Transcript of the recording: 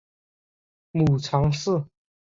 母常氏。